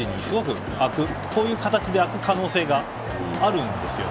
こういう形で空く可能性があるんですよ。